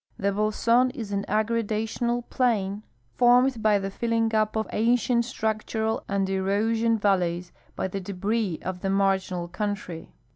The bolson is an aggradational plain, formed by the filling up of ancient structural and erosion valleys by the debris of tbe marginal country.